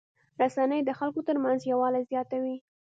رسنۍ د خلکو ترمنځ یووالی زیاتوي.